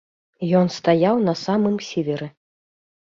Ён стаяў на самым сіверы.